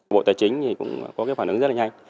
bộ tài chính cũng có hoàn hảo rất nhanh